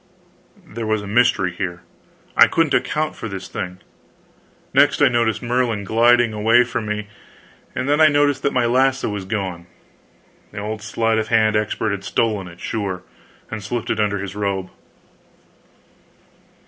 There was a mystery here; I couldn't account for this thing. Next, I noticed Merlin gliding away from me; and then I noticed that my lasso was gone! The old sleight of hand expert had stolen it, sure, and slipped it under his robe.